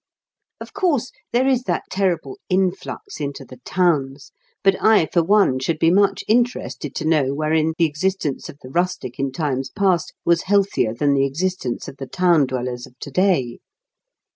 Of course, there is that terrible "influx" into the towns, but I for one should be much interested to know wherein the existence of the rustic in times past was healthier than the existence of the town dwellers of to day.